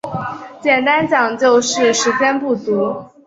简单讲就是时间不足